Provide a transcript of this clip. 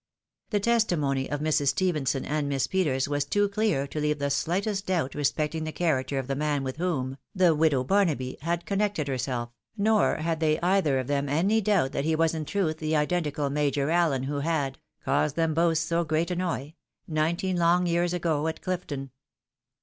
The testimony of Mrs. Stephenson and Miss Peters was too clear to leave the slightest doubt respecting the character of the man with whom "the widow Barnaby" had connected herself, nor had they either of them any doubt that he was in truth the identical Major AUen who had caused them both so great annoy, nineteen long years ago at CHfton.